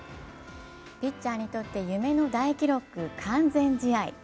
ピッチャーにとって夢の大記録、完全試合。